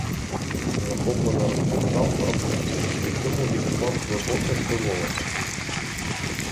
Захоплено розповідав про все і в цьому відчував глибоке вдоволення.